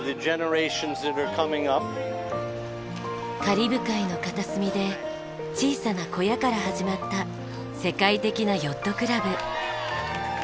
カリブ海の片隅で小さな小屋から始まった世界的なヨットクラブ。